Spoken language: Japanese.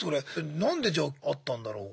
何でじゃあ会ったんだろう。